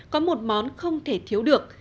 có một món không thể thiếu được